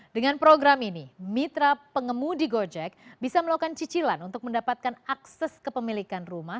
dengan program ini mitra pengemudi gojek bisa melakukan cicilan untuk mendapatkan akses kepemilikan rumah